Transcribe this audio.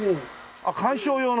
あっ観賞用の。